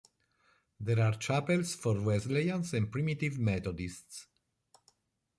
There are chapels for Wesleyans and Primitive Methodists.